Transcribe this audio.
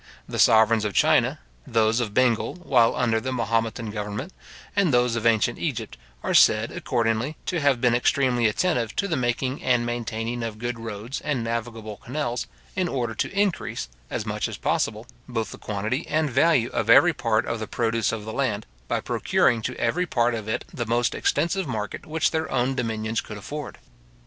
The sovereigns of China, those of Bengal while under the Mahometan govermnent, and those of ancient Egypt, are said, accordingly, to have been extremely attentive to the making and maintaining of good roads and navigable canals, in order to increase, as much as possible, both the quantity and value of every part of the produce of the land, by procuring to every part of it the most extensive market which their own dominions could afford.